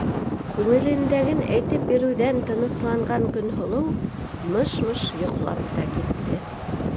Күңелендәген әйтеп биреүҙән тынысланған Көнһылыу мыш-мыш йоҡлап та китте.